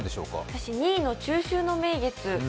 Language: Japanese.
私、２位の中秋の明月。